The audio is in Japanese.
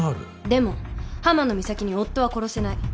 でも浜野美咲に夫は殺せない。